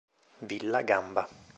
Villa Gamba